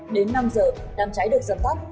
đến năm h đàm cháy được dập tắt